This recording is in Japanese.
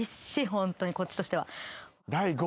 ホントにこっちとしては。